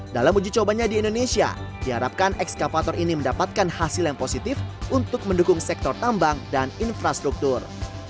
dalam uji cobanya di indonesia diharapkan ekskavator ini mendapatkan hasil yang positif untuk mendukung sektor tambang dan infrastruktur